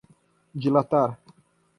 dilatar